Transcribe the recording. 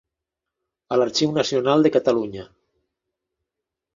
A l'Arxiu Nacional de Catalunya.